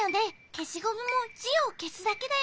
けしゴムもじをけすだけだよね？